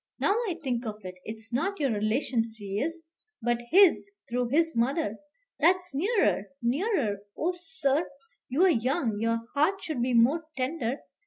Now I think of it, it's not your relation she is, but his, through his mother! That's nearer, nearer! Oh, sir! you're young; your heart should be more tender.